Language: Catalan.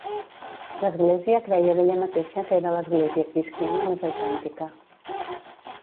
L'església creia d'ella mateixa que era l'església cristiana més autèntica.